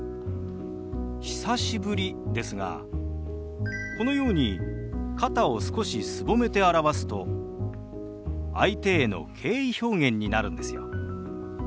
「久しぶり」ですがこのように肩を少しすぼめて表すと相手への敬意表現になるんですよ。